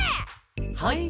はい。